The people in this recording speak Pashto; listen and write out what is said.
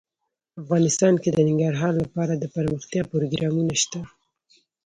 افغانستان کې د ننګرهار لپاره دپرمختیا پروګرامونه شته.